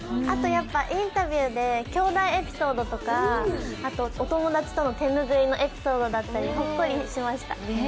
あとインタビューで兄弟エピソードとかお友達との手拭いのエピソードだったりほっこりしました。